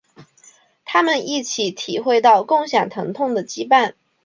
他们一起体会到共享疼痛的羁绊。